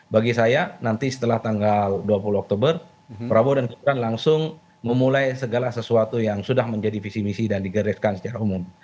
bagi saya nanti setelah tanggal dua puluh oktober prabowo dan gibran langsung memulai segala sesuatu yang sudah menjadi visi misi dan digariskan secara umum